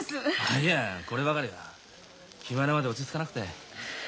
いやこればかりは決まるまで落ち着かなくて。